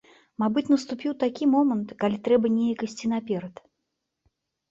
Мабыць, наступіў такі момант, калі трэба неяк ісці наперад.